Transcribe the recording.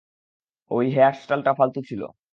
ঐ হেয়ারস্টাইলটা ফালতু ছিল?